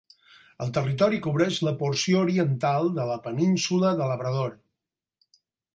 El territori cobreix la porció oriental de la península de Labrador.